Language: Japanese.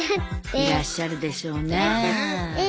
いらっしゃるでしょうねえ。